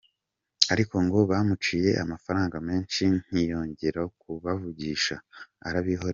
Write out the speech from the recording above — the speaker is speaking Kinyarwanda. Ariko ngo bamuciye amafaranga menshi ntiyongera kubavugisha, arabihorera.